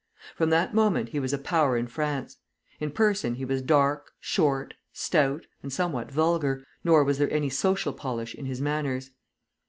From that moment he was a power in France. In person he was dark, short, stout, and somewhat vulgar, nor was there any social polish in his manners.